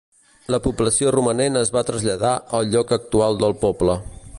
La població romanent es va traslladar al lloc actual del poble.